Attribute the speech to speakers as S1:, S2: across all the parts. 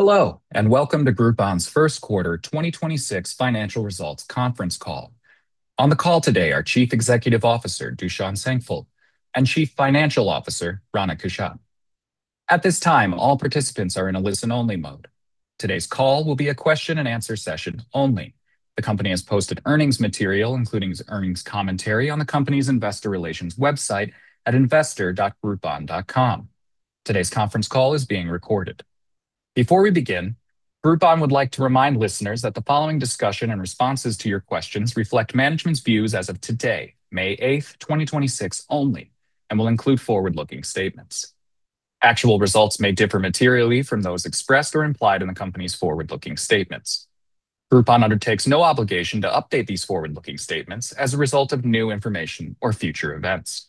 S1: Hello, and welcome to Groupon's first quarter 2026 financial results conference call. On the call today are Chief Executive Officer, Dušan Šenkypl, and Chief Financial Officer, Rana Kashyap. At this time, all participants are in a listen-only mode. Today's call will be a question and answer session only. The company has posted earnings material, including its earnings commentary, on the company's investor relations website at investor.groupon.com. Today's conference call is being recorded. Before we begin, Groupon would like to remind listeners that the following discussion and responses to your questions reflect management's views as of today, May 8, 2026 only, and will include forward-looking statements. Actual results may differ materially from those expressed or implied in the company's forward-looking statements. Groupon undertakes no obligation to update these forward-looking statements as a result of new information or future events.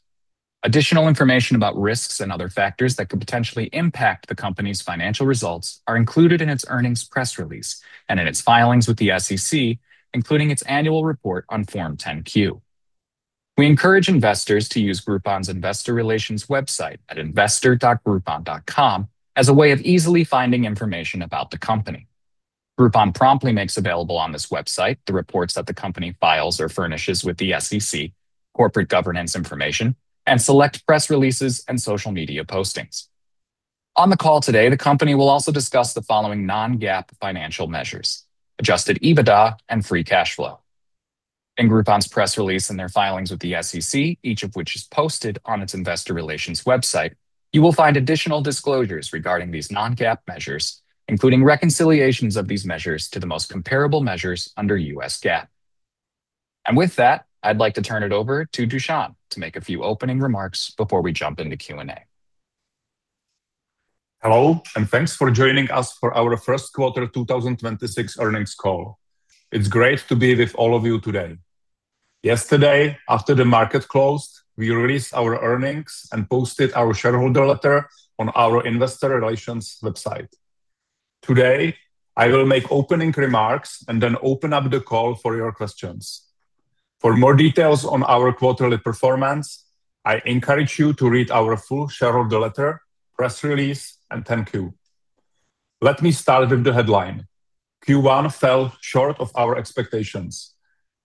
S1: Additional information about risks and other factors that could potentially impact the company's financial results are included in its earnings press release and in its filings with the SEC, including its annual report on Form 10-K. We encourage investors to use Groupon's investor relations website at investor.groupon.com as a way of easily finding information about the company. Groupon promptly makes available on this website the reports that the company files or furnishes with the SEC, corporate governance information, and select press releases and social media postings. On the call today, the company will also discuss the following non-GAAP financial measures: adjusted EBITDA and free cash flow. In Groupon's press release and their filings with the SEC, each of which is posted on its investor relations website, you will find additional disclosures regarding these non-GAAP measures, including reconciliations of these measures to the most comparable measures under US GAAP. With that, I'd like to turn it over to Dušan to make a few opening remarks before we jump into Q&A.
S2: Hello, and thanks for joining us for our first quarter 2026 earnings call. It's great to be with all of you today. Yesterday, after the market closed, we released our earnings and posted our shareholder letter on our investor relations website. Today, I will make opening remarks and then open up the call for your questions. For more details on our quarterly performance, I encourage you to read our full shareholder letter, press release, and Form 10-K. Let me start with the headline. Q1 fell short of our expectations.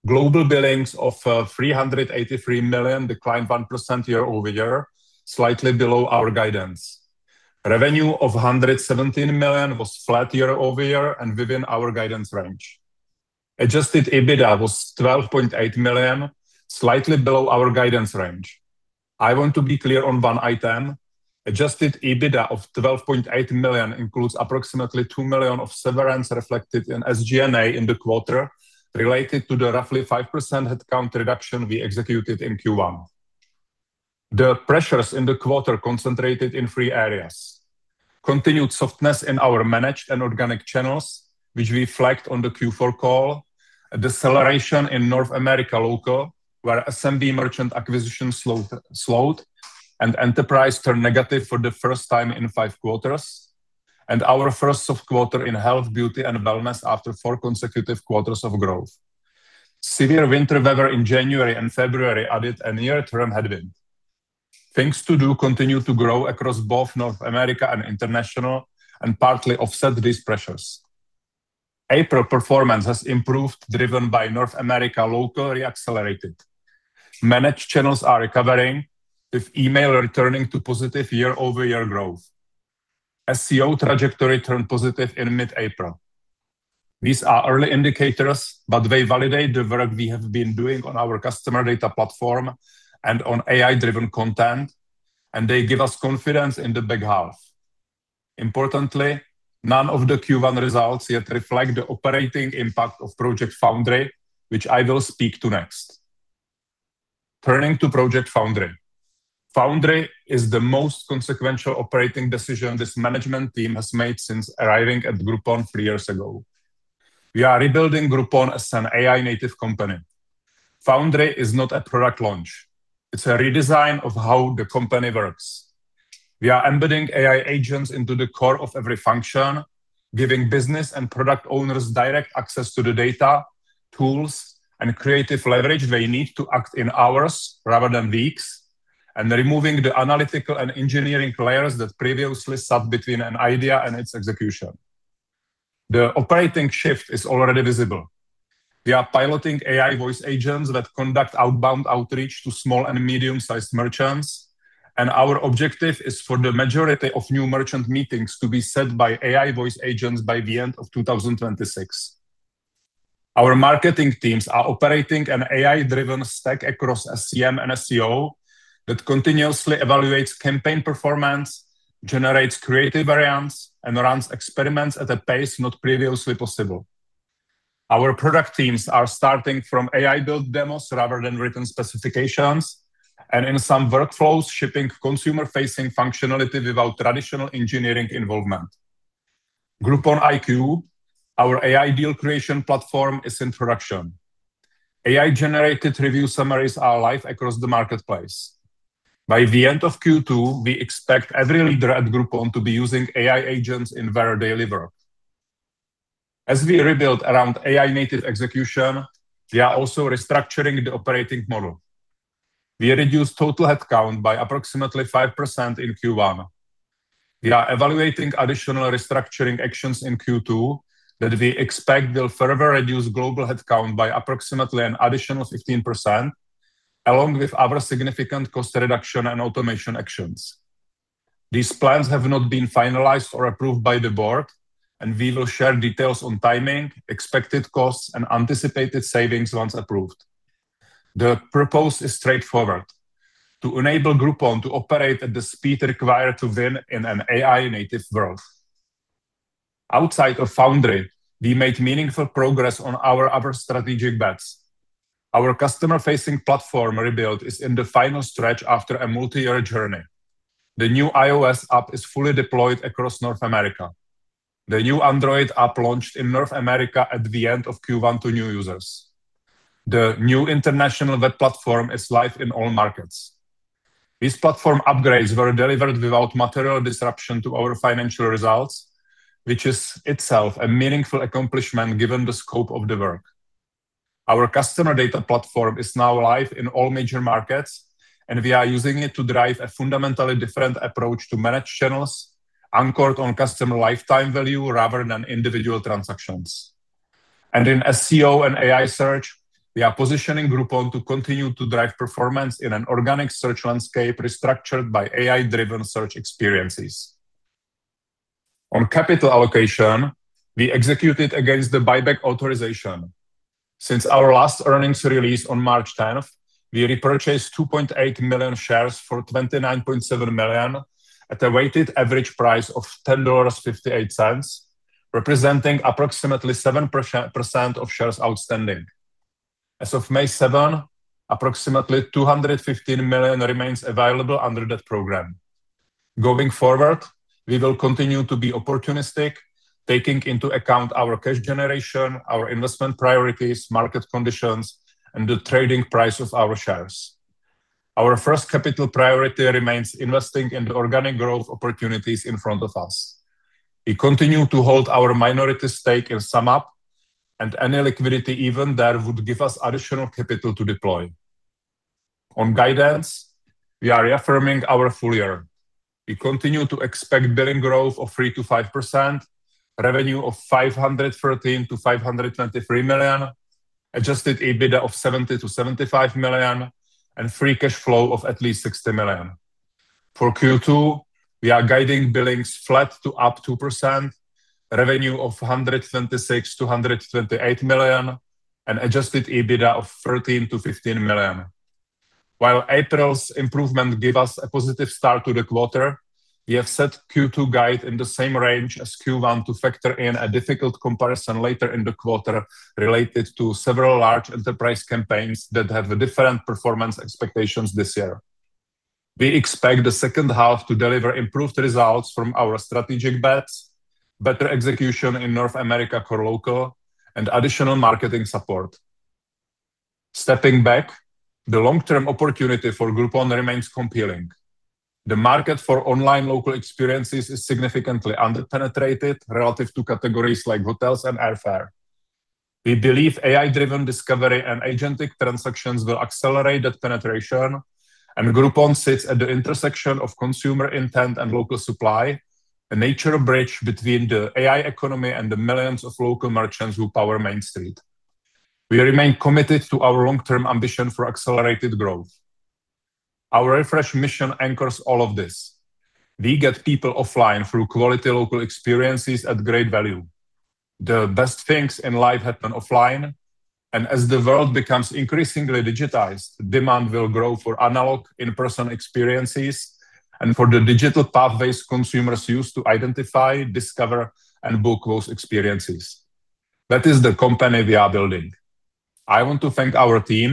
S2: Global billings of $383 million declined 1% year-over-year, slightly below our guidance. Revenue of $117 million was flat year-over-year and within our guidance range. Adjusted EBITDA was $12.8 million, slightly below our guidance range. I want to be clear on one item. Adjusted EBITDA of $12.8 million includes approximately $2 million of severance reflected in SG&A in the quarter related to the roughly 5% headcount reduction we executed in Q1. The pressures in the quarter concentrated in three areas. Continued softness in our managed and organic channels, which we flagged on the Q4 call. A deceleration in North America Local, where SMB merchant acquisition slowed, and enterprise turned negative for the first time in five quarters. Our first soft quarter in health, beauty, and wellness after four consecutive quarters of growth. Severe winter weather in January and February added a near-term headwind. Things to Do continued to grow across both North America and International and partly offset these pressures. April performance has improved, driven by North America Local re-accelerated. Managed channels are recovering, with email returning to positive year-over-year growth. SEO trajectory turned positive in mid-April. These are early indicators, but they validate the work we have been doing on our customer data platform and on AI-driven content, and they give us confidence in the back half. Importantly, none of the Q1 results yet reflect the operating impact of Project Foundry, which I will speak to next. Turning to Project Foundry. Foundry is the most consequential operating decision this management team has made since arriving at Groupon three years ago. We are rebuilding Groupon as an AI-native company. Foundry is not a product launch. It's a redesign of how the company works. We are embedding AI agents into the core of every function, giving business and product owners direct access to the data, tools, and creative leverage they need to act in hours rather than weeks, and removing the analytical and engineering layers that previously sat between an idea and its execution. The operating shift is already visible. We are piloting AI voice agents that conduct outbound outreach to small and medium-sized merchants, and our objective is for the majority of new merchant meetings to be set by AI voice agents by the end of 2026. Our marketing teams are operating an AI-driven stack across SEM and SEO that continuously evaluates campaign performance, generates creative variants, and runs experiments at a pace not previously possible. Our product teams are starting from AI-built demos rather than written specifications, and in some workflows, shipping consumer-facing functionality without traditional engineering involvement. Groupon IQ, our AI deal creation platform, is in production. AI-generated review summaries are live across the marketplace. By the end of Q2, we expect every leader at Groupon to be using AI agents in where they work. As we rebuild around AI native execution, we are also restructuring the operating model. We reduced total headcount by approximately 5% in Q1. We are evaluating additional restructuring actions in Q2 that we expect will further reduce global headcount by approximately an additional 15%, along with other significant cost reduction and automation actions. These plans have not been finalized or approved by the board, and we will share details on timing, expected costs, and anticipated savings once approved. The purpose is straightforward, to enable Groupon to operate at the speed required to win in an AI native world. Outside of Foundry, we made meaningful progress on our other strategic bets. Our customer-facing platform rebuild is in the final stretch after a multi-year journey. The new iOS app is fully deployed across North America. The new Android app launched in North America at the end of Q1 to new users. The new international web platform is live in all markets. These platform upgrades were delivered without material disruption to our financial results, which is itself a meaningful accomplishment given the scope of the work. Our customer data platform is now live in all major markets, we are using it to drive a fundamentally different approach to managed channels, anchored on customer lifetime value rather than individual transactions. In SEO and AI search, we are positioning Groupon to continue to drive performance in an organic search landscape restructured by AI-driven search experiences. On capital allocation, we executed against the buyback authorization. Since our last earnings release on March 10, we repurchased 2.8 million shares for $29.7 million at a weighted average price of $10.58, representing approximately 7% of shares outstanding. As of May 7, approximately $215 million remains available under that program. Going forward, we will continue to be opportunistic, taking into account our cash generation, our investment priorities, market conditions, and the trading price of our shares. Our first capital priority remains investing in the organic growth opportunities in front of us. We continue to hold our minority stake in SumUp, and any liquidity even there would give us additional capital to deploy. On guidance, we are reaffirming our full year. We continue to expect billing growth of 3%-5%, revenue of $513 million-$523 million, adjusted EBITDA of $70 million-$75 million, and free cash flow of at least $60 million. For Q2, we are guiding billings flat to up 2%, revenue of $176 million-$178 million, and adjusted EBITDA of $13 million-$15 million. While April's improvement gave us a positive start to the quarter, we have set Q2 guide in the same range as Q1 to factor in a difficult comparison later in the quarter related to several large enterprise campaigns that have different performance expectations this year. We expect the second half to deliver improved results from our strategic bets, better execution in North America Local, and additional marketing support. Stepping back, the long-term opportunity for Groupon remains compelling. The market for online local experiences is significantly under-penetrated relative to categories like hotels and airfare. We believe AI-driven discovery and agentic transactions will accelerate that penetration, and Groupon sits at the intersection of consumer intent and local supply, a natural bridge between the AI economy and the millions of local merchants who power Main Street. We remain committed to our long-term ambition for accelerated growth. Our refreshed mission anchors all of this. We get people offline through quality local experiences at great value. The best things in life happen offline, and as the world becomes increasingly digitized, demand will grow for analog in-person experiences and for the digital pathways consumers use to identify, discover, and book those experiences. That is the company we are building. I want to thank our team.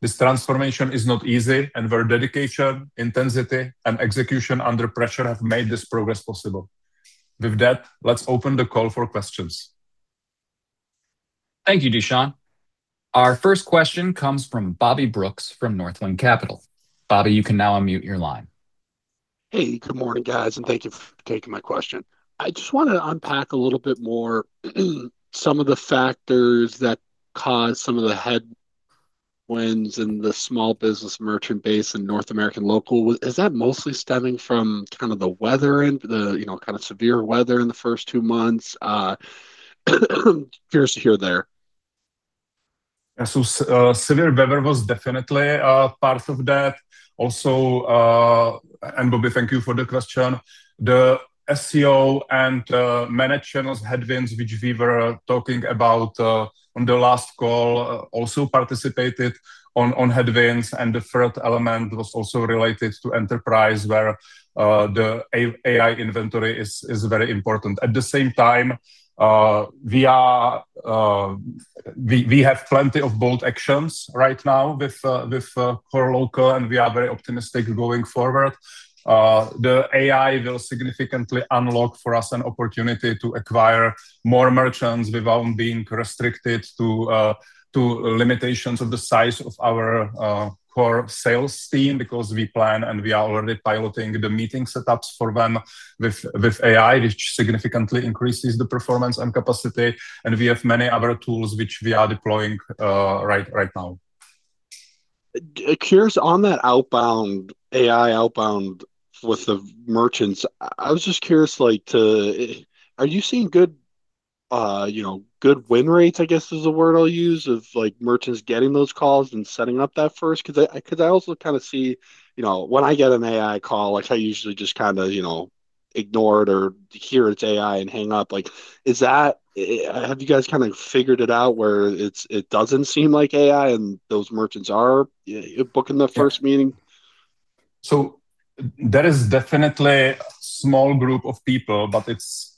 S2: This transformation is not easy, and their dedication, intensity, and execution under pressure have made this progress possible. With that, let's open the call for questions.
S1: Thank you, Dušan. Our first question comes from Bobby Brooks from Northland Capital. Bobby, you can now unmute your line.
S3: Hey, good morning, guys, and thank you for taking my question. I just want to unpack a little bit more some of the factors that caused some of the headwinds in the small business merchant base in North America Local. Is that mostly stemming from kind of the weather and the, you know, kind of severe weather in the first 2 months? Curious to hear there.
S2: Severe weather was definitely part of that. Bobby, thank you for the question. The SEO and managed channels headwinds, which we were talking about on the last call, also participated on headwinds, and the third element was also related to enterprise, where the AI inventory is very important. At the same time, we have plenty of bold actions right now with core local, and we are very optimistic going forward. The AI will significantly unlock for us an opportunity to acquire more merchants without being restricted to limitations of the size of our core sales team because we plan and we are already piloting the meeting setups for them with AI, which significantly increases the performance and capacity. We have many other tools which we are deploying right now.
S3: Curious on that outbound, AI outbound with the merchants, I was just curious, like, to, are you seeing good, you know, good win rates, I guess is the word I'll use, of, like, merchants getting those calls and setting up that first? I also kind of see, you know, when I get an AI call, like, I usually just kind of, you know, ignore it or hear it's AI and hang up. Like, is that Have you guys kind of figured it out where it's, it doesn't seem like AI and those merchants are, yeah, booking the first meeting?
S2: There is definitely a small group of people, but it's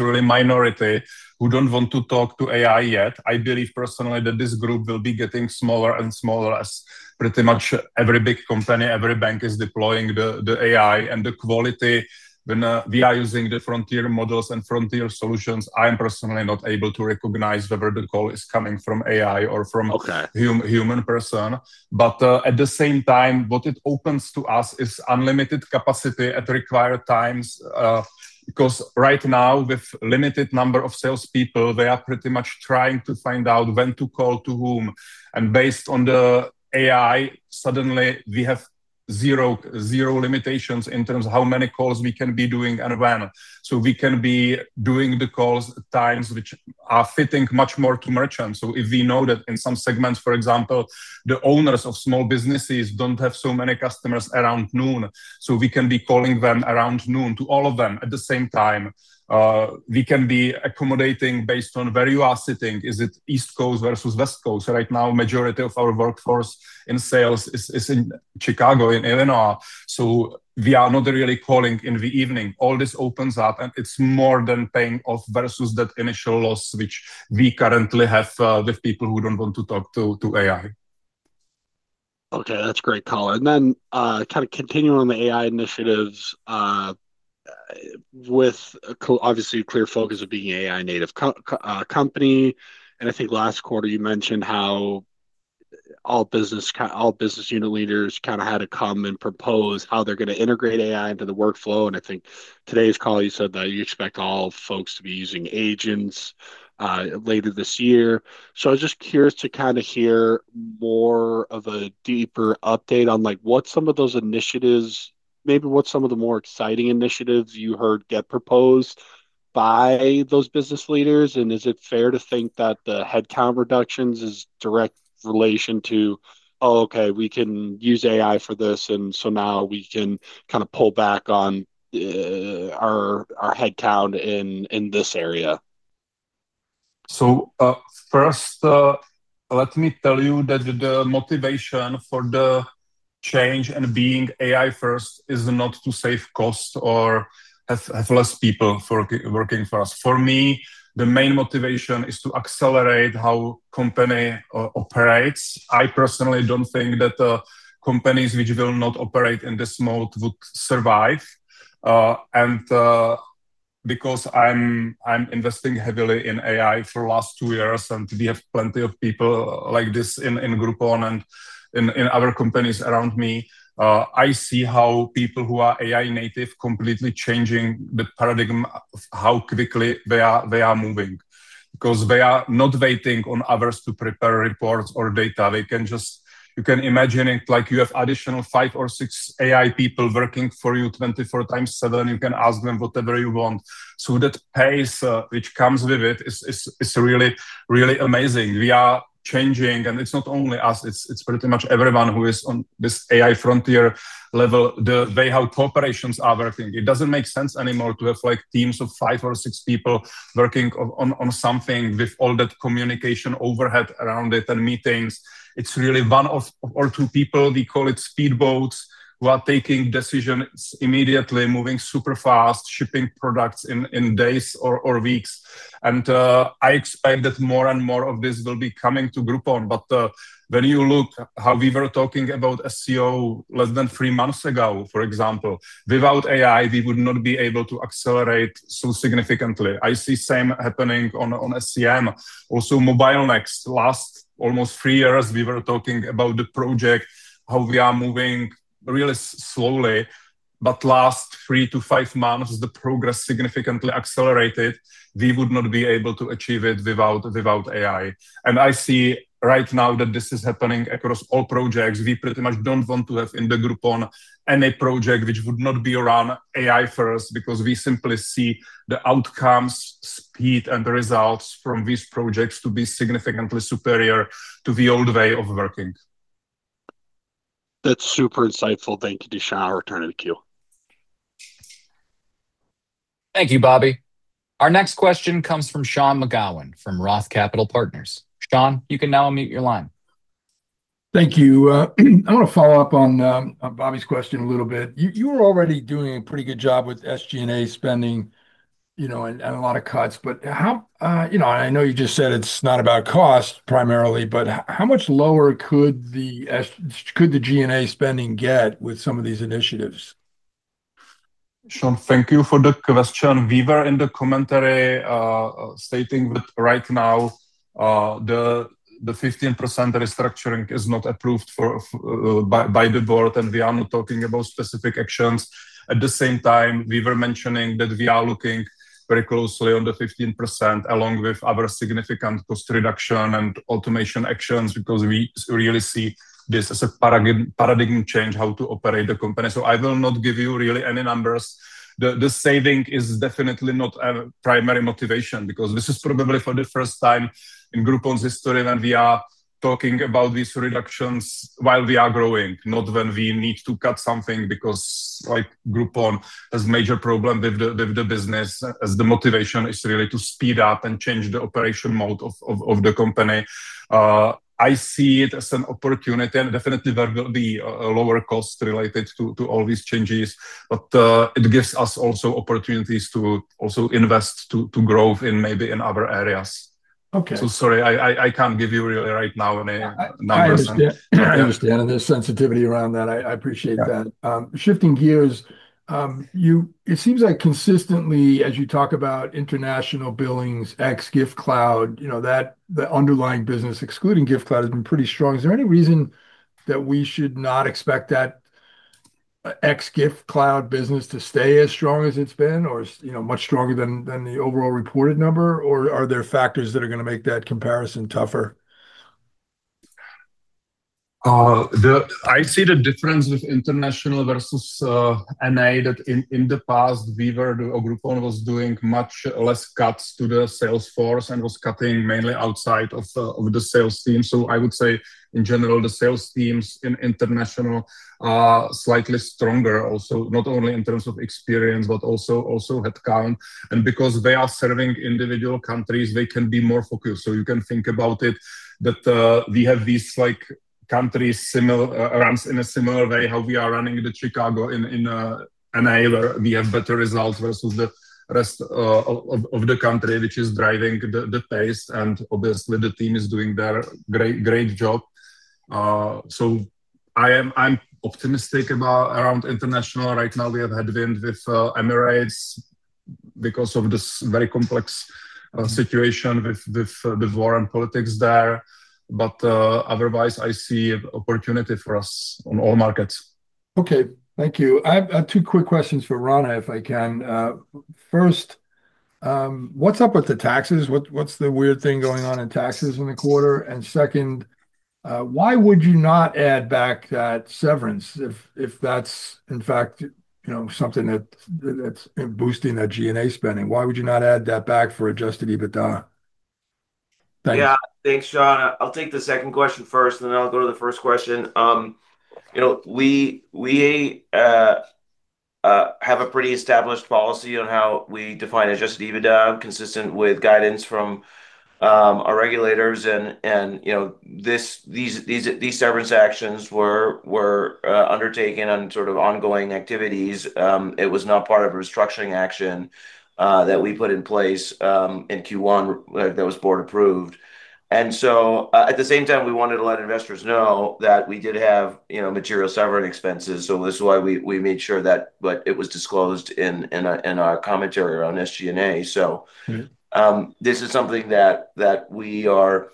S2: really a minority who don't want to talk to AI yet. I believe personally that this group will be getting smaller and smaller as pretty much every big company, every bank is deploying the AI. The quality when we are using the frontier models and frontier solutions, I am personally not able to recognize whether the call is coming from AI or from.
S3: Okay
S2: human person. At the same time, what it opens to us is unlimited capacity at required times. Right now with limited number of salespeople, they are pretty much trying to find out when to call to whom. Based on the AI, suddenly we have zero limitations in terms of how many calls we can be doing and when. We can be doing the calls at times which are fitting much more to merchants. If we know that in some segments, for example, the owners of small businesses don't have so many customers around noon, we can be calling them around noon to all of them at the same time. We can be accommodating based on where you are sitting. Is it East Coast versus West Coast? Right now, majority of our workforce in sales is in Chicago, in Illinois, so we are not really calling in the evening. All this opens up, and it's more than paying off versus that initial loss which we currently have with people who don't want to talk to AI.
S3: That's great color. Kind of continuing on the AI initiatives, with obviously a clear focus of being AI native company. I think last quarter you mentioned how all business unit leaders kind of had to come and propose how they're gonna integrate AI into the workflow. I think today's call you said that you expect all folks to be using agents later this year. I was just curious to kind of hear more of a deeper update on, like, what some of those initiatives, maybe what some of the more exciting initiatives you heard get proposed by those business leaders. Is it fair to think that the headcount reductions is direct relation to, "Oh, okay, we can use AI for this, and so now we can kind of pull back on, our headcount in this area"?
S2: First, let me tell you that the motivation for the change and being AI first is not to save cost or have less people working for us. For me, the main motivation is to accelerate how company operates. I personally don't think that companies which will not operate in this mode would survive. Because I'm investing heavily in AI for last two years, and we have plenty of people like this in Groupon and in other companies around me. I see how people who are AI native completely changing the paradigm of how quickly they are moving. Because they are not waiting on others to prepare reports or data. You can imagine it like you have additional five or six AI people working for you 24x7. You can ask them whatever you want. That pace, which comes with it is really amazing. We are changing, and it's not only us. It's pretty much everyone who is on this AI frontier level, the way how corporations are working. It doesn't make sense anymore to have, like, teams of five or six people working on something with all that communication overhead around it and meetings. It's really one of, or two people, we call it speedboats, who are taking decisions immediately, moving super fast, shipping products in days or weeks. I expect that more and more of this will be coming to Groupon. When you look how we were talking about SEO less than three months ago, for example, without AI, we would not be able to accelerate so significantly. I see same happening on SEM. Also MobileNext, last almost three years we were talking about the project, how we are moving really slowly. Last 3-5 months, the progress significantly accelerated. We would not be able to achieve it without AI. I see right now that this is happening across all projects. We pretty much don't want to have in the Groupon any project which would not be around AI first, because we simply see the outcomes, speed, and the results from these projects to be significantly superior to the old way of working.
S3: That's super insightful. Thank you, Dušan. I'll return it to queue.
S1: Thank you, Bobby. Our next question comes from Sean McGowan from ROTH Capital Partners. Sean, you can now unmute your line.
S4: Thank you. I want to follow up on Bobby's question a little bit. You were already doing a pretty good job with SG&A spending, you know, and a lot of cuts. How you know, I know you just said it's not about cost primarily, but how much lower could the G&A spending get with some of these initiatives?
S2: Sean, thank you for the question. We were in the commentary, stating that right now, the 15% restructuring is not approved by the board, and we are not talking about specific actions. At the same time, we were mentioning that we are looking very closely on the 15% along with other significant cost reduction and automation actions because we really see this as a paradigm change how to operate the company. I will not give you really any numbers. The saving is definitely not our primary motivation because this is probably for the first time in Groupon's history that we are talking about these reductions while we are growing, not when we need to cut something because, like, Groupon has major problem with the business, as the motivation is really to speed up and change the operation mode of the company. I see it as an opportunity and definitely there will be a lower cost related to all these changes. It gives us also opportunities to also invest, to growth in maybe in other areas.
S4: Okay.
S2: Sorry, I can't give you really right now any numbers.
S4: I understand. There's sensitivity around that. I appreciate that.
S2: Yeah.
S4: Shifting gears, It seems like consistently, as you talk about international billings, ex-Giftcloud, you know, that the underlying business excluding Giftcloud has been pretty strong. Is there any reason that we should not expect that ex-Giftcloud business to stay as strong as it's been or you know, much stronger than the overall reported number? Or are there factors that are gonna make that comparison tougher?
S2: The I see the difference with international versus NA that in the past we were, or Groupon was doing much less cuts to the sales force and was cutting mainly outside of the sales team. I would say in general, the sales teams in international are slightly stronger also, not only in terms of experience, but also headcount. Because they are serving individual countries, they can be more focused. You can think about it that we have these, like, countries similar runs in a similar way how we are running the Chicago in NA where we have better results versus the rest of the country, which is driving the pace, and obviously the team is doing their great job. I am, I'm optimistic about around international. Right now we have headwind with Emirates because of this very complex situation with war and politics there. Otherwise I see opportunity for us on all markets.
S4: Okay. Thank you. I have two quick questions for Rana, if I can. First, what's up with the taxes? What's the weird thing going on in taxes in the quarter? Second, why would you not add back that severance if that's in fact, you know, something that's boosting that SG&A spending? Why would you not add that back for adjusted EBITDA? Thanks.
S5: Thanks, Sean. I'll take the second question first, then I'll go to the first question. You know, we have a pretty established policy on how we define adjusted EBITDA, consistent with guidance from our regulators and, you know, these severance actions were undertaken on sort of ongoing activities. It was not part of a restructuring action that we put in place in Q1 that was board approved. At the same time we wanted to let investors know that we did have, you know, material severance expenses, so this is why we made sure that, like, it was disclosed in our commentary around SG&A. This is something that we are,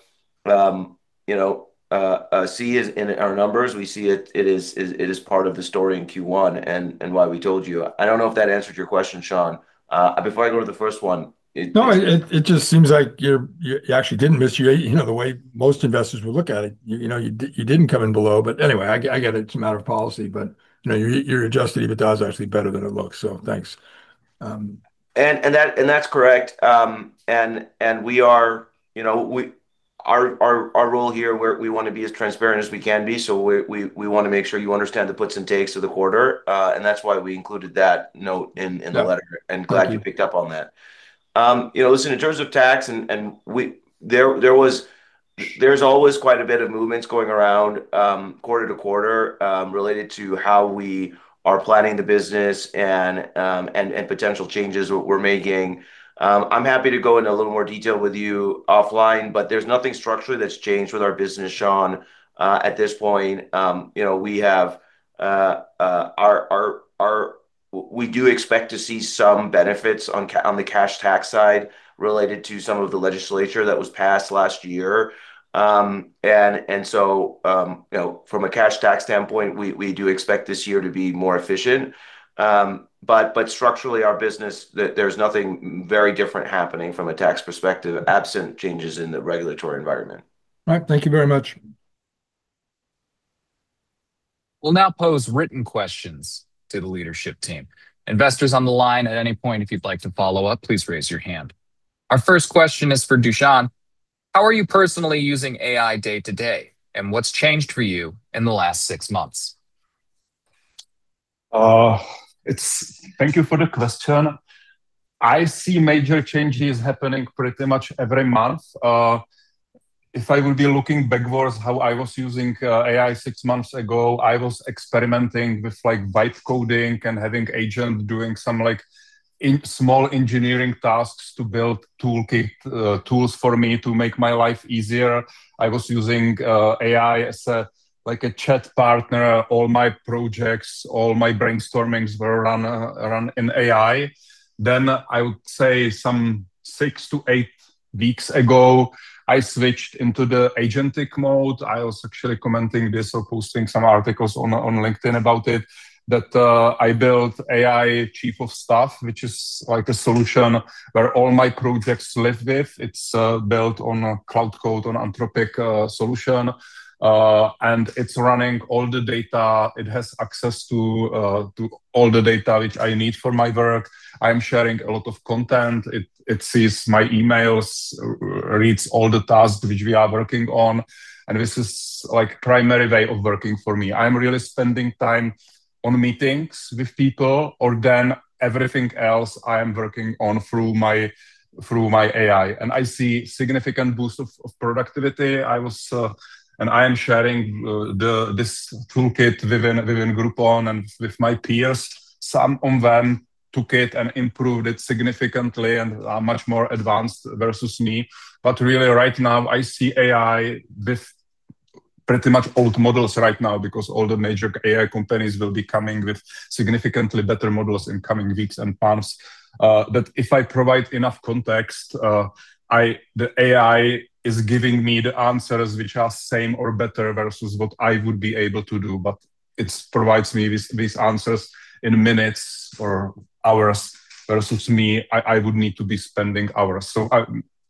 S5: you know, see is in our numbers. We see it is part of the story in Q1 and why we told you. I don't know if that answered your question, Sean? Before I go to the first one.
S4: No, it just seems like you're, you actually didn't miss your. You know, the way most investors would look at it, you know, you didn't come in below. Anyway, I get it's a matter of policy. You know, your adjusted EBITDA is actually better than it looks. Thanks.
S5: That's correct. We are, you know, our role here we wanna be as transparent as we can be, so we wanna make sure you understand the puts and takes of the quarter. That's why we included that note in the letter.
S4: Yeah. Thank you.
S5: Glad you picked up on that. You know, listen, in terms of tax, there's always quite a bit of movements going around quarter to quarter related to how we are planning the business and potential changes we're making. I'm happy to go into a little more detail with you offline, but there's nothing structurally that's changed with our business, Sean, at this point. You know, we have, we do expect to see some benefits on the cash tax side related to some of the legislature that was passed last year. You know, from a cash tax standpoint, we do expect this year to be more efficient. Structurally our business, there's nothing very different happening from a tax perspective, absent changes in the regulatory environment.
S4: All right. Thank you very much.
S1: We'll now pose written questions to the leadership team. Investors on the line, at any point if you'd like to follow up, please raise your hand. Our first question is for Dušan. How are you personally using AI day-to-day, and what's changed for you in the last six months?
S2: Thank you for the question. I see major changes happening pretty much every month. If I will be looking backwards how I was using AI six months ago, I was experimenting with, like, byte coding and having agent doing some, like, small engineering tasks to build toolkit tools for me to make my life easier. I was using AI as a, like a chat partner. All my projects, all my brainstormings were run in AI. I would say some six to eight weeks ago, I switched into the agentic mode. I was actually commenting this or posting some articles on LinkedIn about it, that I built AI chief of staff, which is like a solution where all my projects live with. It's built on a Claude Code on Anthropic solution. It's running all the data. It has access to all the data which I need for my work. I'm sharing a lot of content. It sees my emails, reads all the tasks which we are working on. This is like primary way of working for me. I'm really spending time on meetings with people or then everything else I am working on through my AI. I see significant boost of productivity. I was. I am sharing this toolkit within Groupon and with my peers. Some of them took it and improved it significantly and are much more advanced versus me. Really right now, I see AI with pretty much old models right now because all the major AI companies will be coming with significantly better models in coming weeks and months. If I provide enough context, the AI is giving me the answers which are same or better versus what I would be able to do, but it provides me with these answers in minutes or hours versus me, I would need to be spending hours.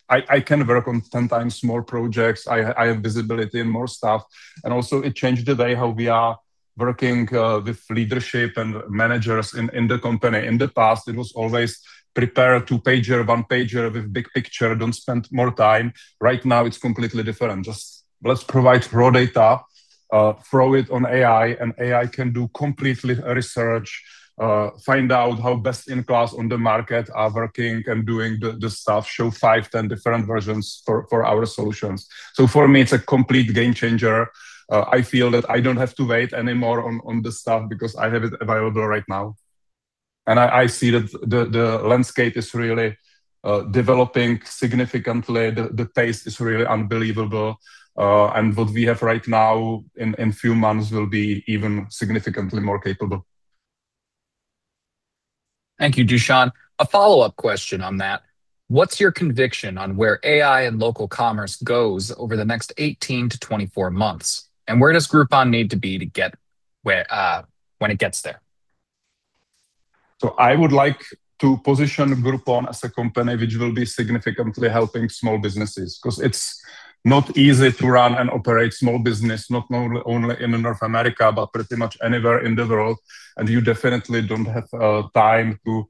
S2: I can work on 10 times more projects. I have visibility in more stuff, and also it changed the way how we are working with leadership and managers in the company. In the past, it was always prepare two-pager, one-pager with big picture. Don't spend more time. Right now, it's completely different. Just let's provide raw data, throw it on AI, and AI can do completely research, find out how best in class on the market are working and doing the stuff. Show five, 10 different versions for our solutions. For me, it's a complete game changer. I feel that I don't have to wait anymore on this stuff because I have it available right now. I see that the landscape is really developing significantly. The pace is really unbelievable. What we have right now, in a few months will be even significantly more capable.
S1: Thank you, Dušan. A follow-up question on that. What's your conviction on where AI and local commerce goes over the next 18 to 24 months? Where does Groupon need to be when it gets there?
S2: I would like to position Groupon as a company which will be significantly helping small businesses because it's not easy to run and operate small business, not only in North America, but pretty much anywhere in the world. You definitely don't have time to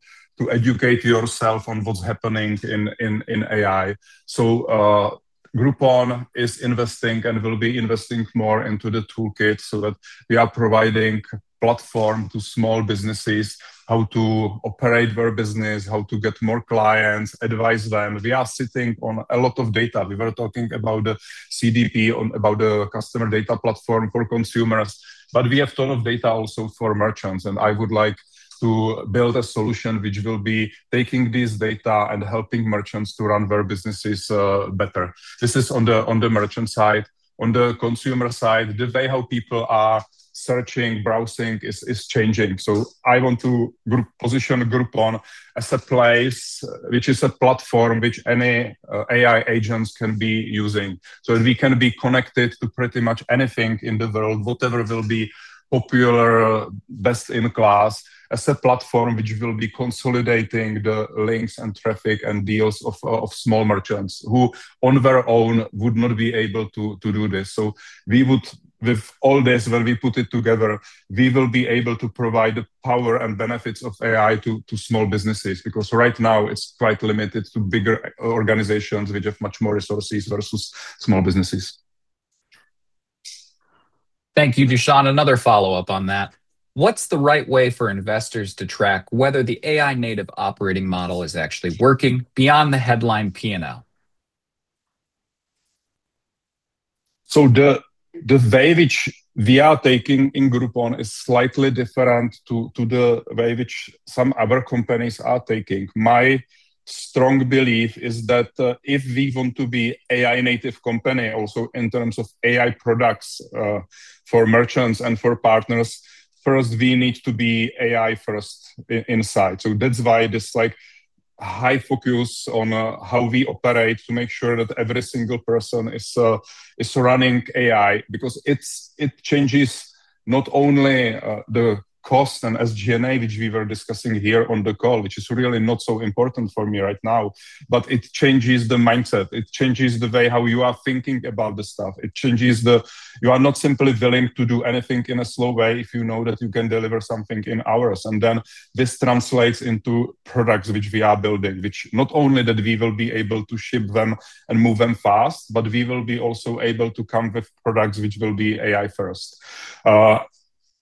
S2: educate yourself on what's happening in AI. Groupon is investing and will be investing more into the toolkit so that we are providing platform to small businesses how to operate their business, how to get more clients, advise them. We are sitting on a lot of data. We were talking about the CDP about the customer data platform for consumers, but we have ton of data also for merchants, and I would like to build a solution which will be taking this data and helping merchants to run their businesses better. This is on the merchant side. On the consumer side, the way how people are searching, browsing is changing. I want to position Groupon as a place which is a platform which any AI agents can be using. We can be connected to pretty much anything in the world, whatever will be popular, best in class, as a platform which will be consolidating the links and traffic and deals of small merchants who on their own would not be able to do this. We would with all this, when we put it together, we will be able to provide the power and benefits of AI to small businesses because right now it's quite limited to bigger organizations which have much more resources versus small businesses.
S1: Thank you, Dušan. Another follow-up on that. What's the right way for investors to track whether the AI native operating model is actually working beyond the headline P&L?
S2: The way which we are taking in Groupon is slightly different to the way which some other companies are taking. My strong belief is that if we want to be AI native company also in terms of AI products for merchants and for partners, first we need to be AI first inside. That's why this like high focus on how we operate to make sure that every single person is running AI because it changes not only the cost and SG&A, which we were discussing here on the call, which is really not so important for me right now, but it changes the mindset. It changes the way how you are thinking about the stuff. It changes. You are not simply willing to do anything in a slow way if you know that you can deliver something in hours. This translates into products which we are building, which not only that we will be able to ship them and move them fast, but we will be also able to come with products which will be AI first.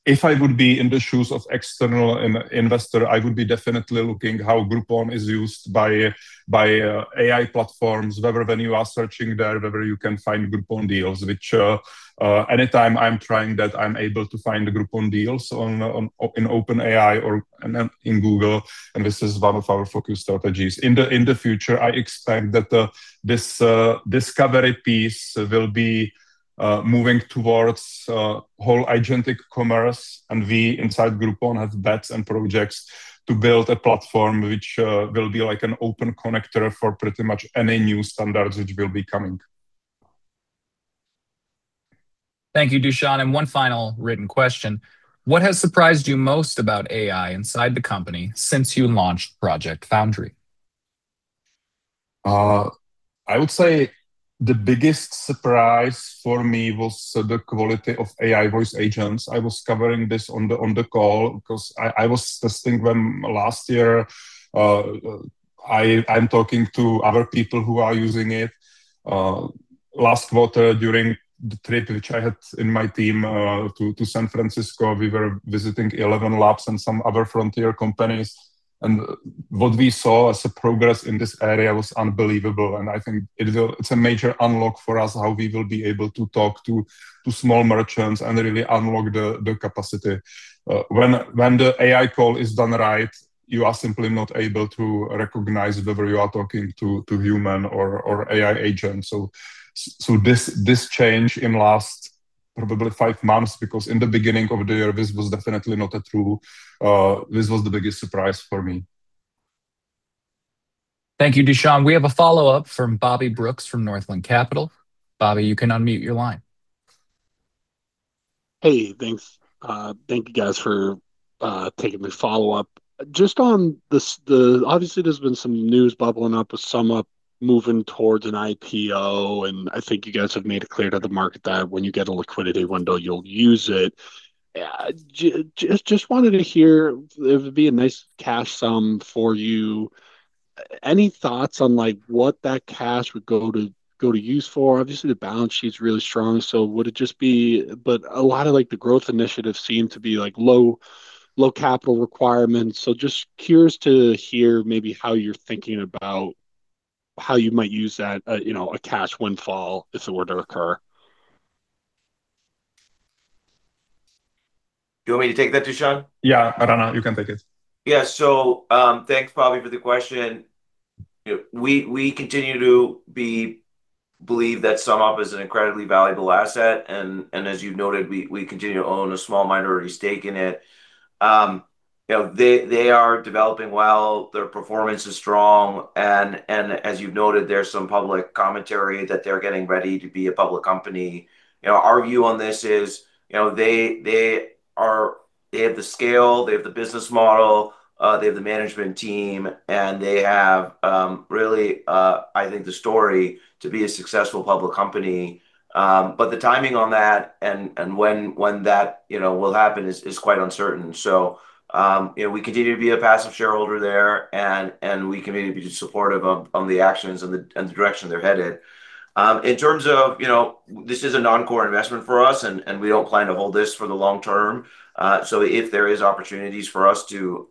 S2: If I would be in the shoes of external investor, I would be definitely looking how Groupon is used by AI platforms, whether when you are searching there, whether you can find Groupon deals, which anytime I'm trying that I'm able to find the Groupon deals in OpenAI or in Google, and this is one of our focus strategies. In the future, I expect that this discovery piece will be moving towards whole agentic commerce. We inside Groupon has bets and projects to build a platform which will be like an open connector for pretty much any new standards which will be coming.
S1: Thank you, Dušan. One final written question. What has surprised you most about AI inside the company since you launched Project Foundry?
S2: I would say the biggest surprise for me was the quality of AI voice agents. I was covering this on the call 'cause I was testing them last year. I'm talking to other people who are using it. Last quarter during the trip which I had in my team to San Francisco, we were visiting ElevenLabs and some other frontier companies. What we saw as a progress in this area was unbelievable, and I think it's a major unlock for us how we will be able to talk to small merchants and really unlock the capacity. When the AI call is done right, you are simply not able to recognize whether you are talking to human or AI agent. This change in last probably five months because in the beginning of the year this was definitely not true. This was the biggest surprise for me.
S1: Thank you, Dušan. We have a follow-up from Bobby Brooks from Northland Capital. Bobby, you can unmute your line.
S3: Hey, thanks. Thank you guys for taking my follow-up. Just on this, obviously there's been some news bubbling up with SumUp moving towards an IPO. I think you guys have made it clear to the market that when you get a liquidity window you'll use it. Just wanted to hear, it would be a nice cash sum for you. Any thoughts on like what that cash would go to use for? Obviously, the balance sheet's really strong. A lot of like the growth initiatives seem to be like low capital requirements. Just curious to hear maybe how you're thinking about how you might use that, you know, a cash windfall if it were to occur.
S5: Do you want me to take that, Dušan?
S2: Yeah. I don't know. You can take it.
S5: Yeah. Thanks, Bobby, for the question. We continue to believe that SumUp is an incredibly valuable asset, and as you noted, we continue to own a small minority stake in it. You know, they are developing well, their performance is strong and as you've noted, there's some public commentary that they're getting ready to be a public company. You know, our view on this is, you know, they have the scale, they have the business model, they have the management team, and they have really, I think the story to be a successful public company. The timing on that and when that, you know, will happen is quite uncertain. You know, we continue to be a passive shareholder there and we continue to be supportive of the actions and the direction they're headed. In terms of, you know, this is a non-core investment for us and we don't plan to hold this for the long term. If there is opportunities for us to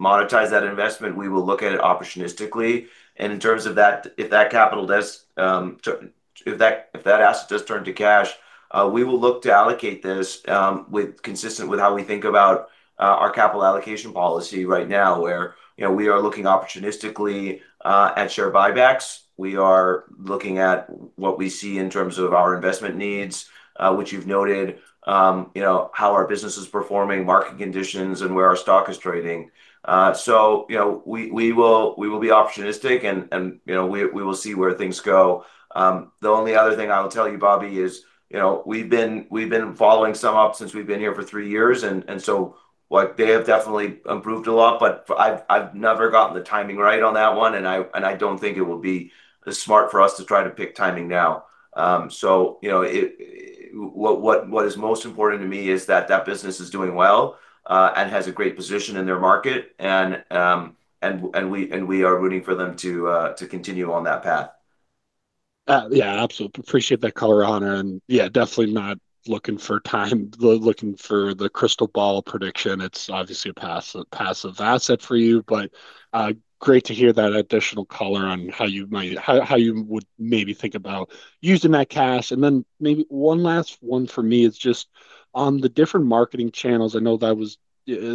S5: monetize that investment, we will look at it opportunistically. In terms of that, if that asset does turn to cash, we will look to allocate this consistent with how we think about our capital allocation policy right now, where, you know, we are looking opportunistically at share buybacks. We are looking at what we see in terms of our investment needs, which you've noted, you know, how our business is performing, market conditions and where our stock is trading. You know, we will be opportunistic and, you know, we will see where things go. The only other thing I will tell you, Bobby, is, you know, we've been following SumUp since we've been here for three years. Like, they have definitely improved a lot, but I've never gotten the timing right on that one, and I don't think it would be as smart for us to try to pick timing now. You know, what is most important to me is that that business is doing well, and has a great position in their market and we are rooting for them to continue on that path.
S3: Yeah, absolutely. Appreciate that color Rana, and yeah, definitely not looking for time, looking for the crystal ball prediction. It's obviously a passive asset for you. Great to hear that additional color on how you would maybe think about using that cash. Then maybe one last one for me is just on the different marketing channels. I know that was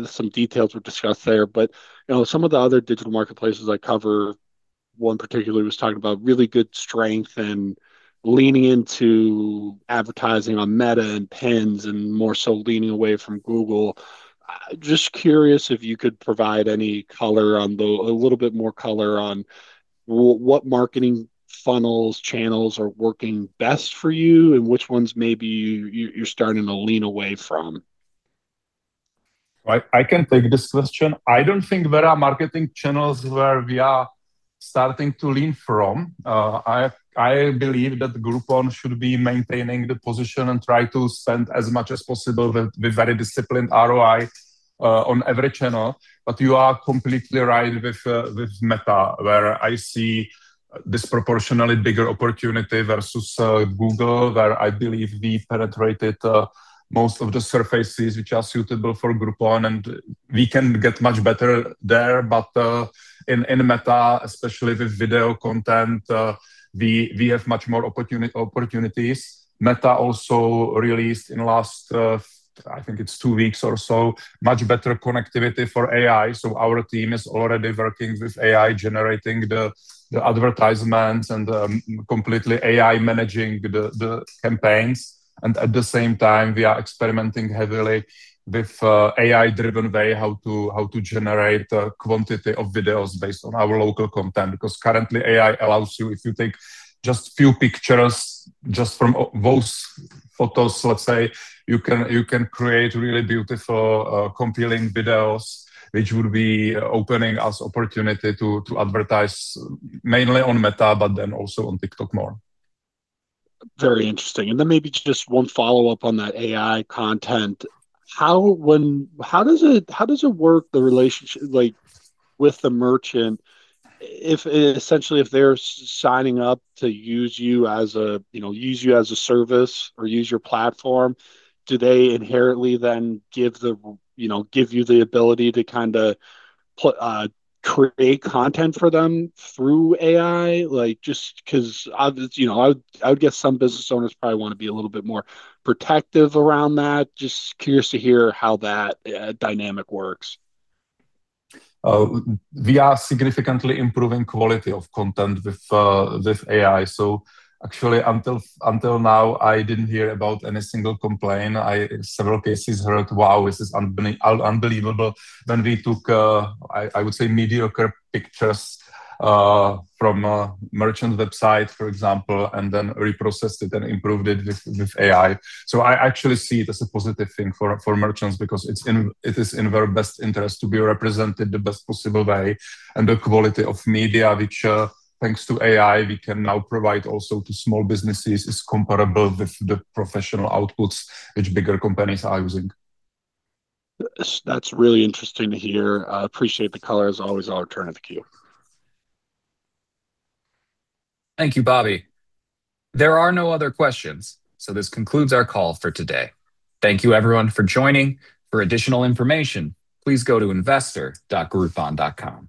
S3: some details were discussed there, but you know, some of the other digital marketplaces I cover, one particularly was talking about really good strength and leaning into advertising on Meta and PINS, and more so leaning away from Google. Just curious if you could provide any color on a little bit more color on what marketing funnels, channels are working best for you and which ones maybe you're starting to lean away from.
S2: I can take this question. I don't think there are marketing channels where we are starting to lean from. I believe that Groupon should be maintaining the position and try to spend as much as possible with very disciplined ROI on every channel. You are completely right with Meta, where I see disproportionately bigger opportunity versus Google, where I believe we penetrated most of the surfaces which are suitable for Groupon, and we can get much better there. In Meta, especially with video content, we have much more opportunities. Meta also released in last, I think it's two weeks or so, much better connectivity for AI. Our team is already working with AI, generating the advertisements and completely AI managing the campaigns. At the same time, we are experimenting heavily with AI-driven way how to generate quantity of videos based on our local content. Currently AI allows you, if you take few pictures, from those photos, you can create really beautiful, compelling videos which would be opening us opportunity to advertise mainly on Meta, also on TikTok more.
S3: Very interesting. Maybe just one follow-up on that AI content. How, when, how does it, how does it work the relationship, like with the merchant if, essentially if they're signing up to use you as a, you know, use you as a service or use your platform, do they inherently then give the you know, give you the ability to kinda put, create content for them through AI? Like, just 'cause you know, I would guess some business owners probably wanna be a little bit more protective around that. Just curious to hear how that dynamic works.
S2: We are significantly improving quality of content with AI. Actually until now I didn't hear about any single complaint. I, several cases heard, "Wow, this is unbelievable." when we took, I would say mediocre pictures from a merchant website, for example, and then reprocessed it and improved it with AI. I actually see it as a positive thing for merchants because it is in their best interest to be represented the best possible way. The quality of media which, thanks to AI we can now provide also to small businesses is comparable with the professional outputs which bigger companies are using.
S3: That's really interesting to hear. I appreciate the color. As always, I'll return it to you.
S1: Thank you, Bobby. There are no other questions. This concludes our call for today. Thank you everyone for joining. For additional information, please go to investor.groupon.com.